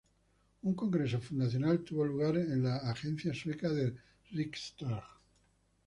Un congreso fundacional tuvo lugar en la agencia sueca de Riksdag.